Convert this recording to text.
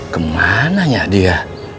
kemana nya dia